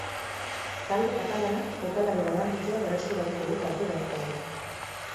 Talde katalanak jokalari garrantzitsua berreskuratuko du partida honetarako.